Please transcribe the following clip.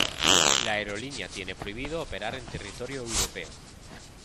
La aerolínea tiene prohibido operar en territorio europeo.